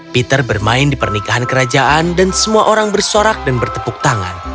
peter bermain di pernikahan kerajaan dan semua orang bersorak dan bertepuk tangan